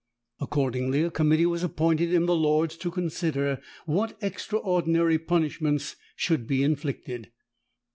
Accordingly a committee was appointed in the lords to consider what extraordinary punishments should be inflicted.